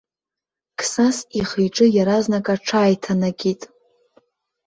Қсас ихы-иҿы иаразнак аҽааиҭанакит.